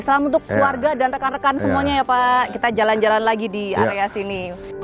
salam untuk keluarga dan rekan rekan semuanya ya pak kita jalan jalan lagi di area sini